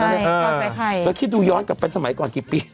แล้วคิดดูย้อนกลับไปสมัยก่อนกี่ปี